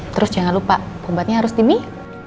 terus jangan lupa obatnya harus di mie